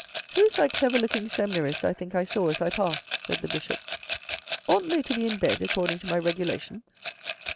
"Who is that clever looking seminarist I think I saw as I passed ?" said the Bishop. " Oughtn't they to be in bed according to my regulations."